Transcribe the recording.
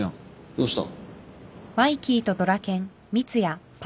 どうした？